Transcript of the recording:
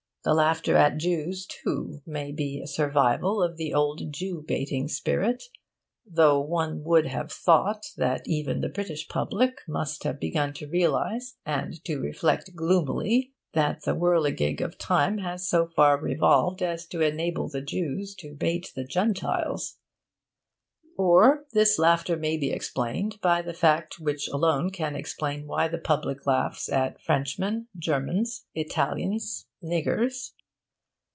The laughter at Jews, too, may be a survival of the old Jew baiting spirit (though one would have thought that even the British public must have begun to realise, and to reflect gloomily, that the whirligig of time has so far revolved as to enable the Jews to bait the Gentiles). Or this laughter may be explained by the fact which alone can explain why the public laughs at Frenchmen, Germans, Italians, Niggers.